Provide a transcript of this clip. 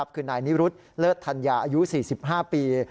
คือนายนิรุธเลิศธัญญาอายุ๔๕ปี